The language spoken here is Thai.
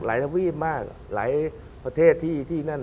หลายทะวิ่งมากหลายประเทศที่นั่น